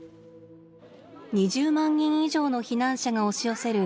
２０万人以上の避難者が押し寄せる